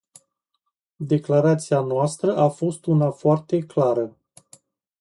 Declarația noastră a fost una foarte clară.